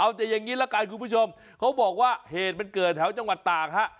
เอาแต่อย่างนี้ละกันคุณผู้ชมเขาบอกว่าเหตุมันเกิดแถวจังหวัดตากฮะ